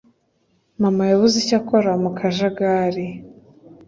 ] mama yabuze icyo akora ku kajagari.